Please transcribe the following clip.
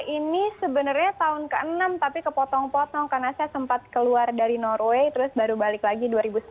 ini sebenarnya tahun ke enam tapi kepotong potong karena saya sempat keluar dari norway terus baru balik lagi dua ribu sepuluh